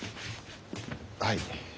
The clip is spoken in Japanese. はい。